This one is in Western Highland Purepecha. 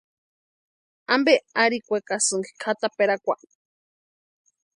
Ampe arhikwekasïnki kʼataperakwa.